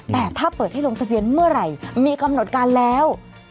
แต่ถ้าเปิดให้ลงทะเบียนเมื่อไหร่มีกำหนดการแล้ว